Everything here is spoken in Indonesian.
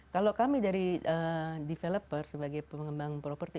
kalau kami dari developer sebagai pengembang properti